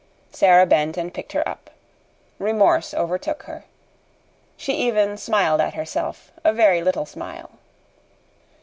Sara bent and picked her up. Remorse overtook her. She even smiled at herself a very little smile.